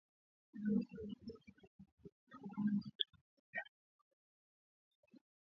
jeshi la Demokrasia ya Kongo lilisema kwamba